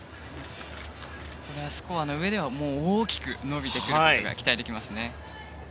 スコアの上では大きく伸びてくることが期待できますね。